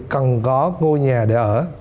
cần có ngôi nhà để ở